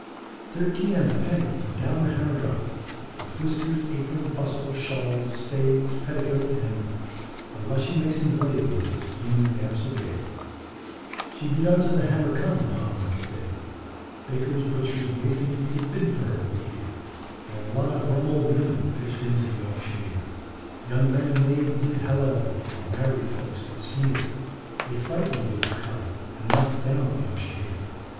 Thirteen and a penny, when down the hammer dropt, With whiskers, apron, bustle, shawl, stays, petticoat, and A lushy mason's lady was this blooming damsel gay, She did unto the hammer come upon a market day; Bakers, butchers, masons, did bid for her, we hear, While a lot of rum old women pitched into the auctioneer. Young men and maids did halloa, while married folks did sneer, They frightened the old cobler and knocked down the auctioneer.